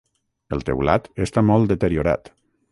El teulat està molt deteriorat.